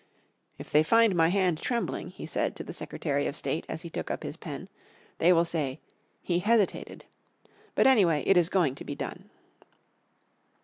"If they find my hand trembling," he said to the Secretary of State, as he took up his pen, "they will say, 'He hesitated,' but anyway it is going to be done."